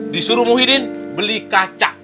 disuruh muhyiddin beli kaca